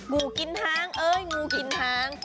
งูกินหางเอ้ยงูกินหาง